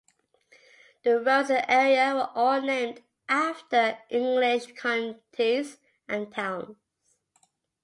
The roads in the area were all named after English counties and towns.